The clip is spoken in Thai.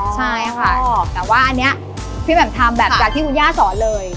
ใช่ค่ะแต่ว่าอันนี้พี่แหม่มทำแบบจากที่คุณย่าสอนเลย